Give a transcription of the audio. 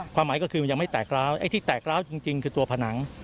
หมายก็คือมันยังไม่แตกร้าวไอ้ที่แตกร้าวจริงคือตัวผนัง